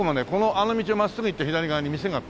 あの道を真っすぐ行って左側に店があったんですよ。